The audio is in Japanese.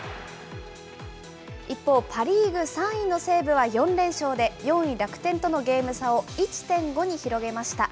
一方、パ・リーグ３位の西武は４連勝で、４位楽天とのゲーム差を１．５に広げました。